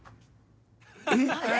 「えっ？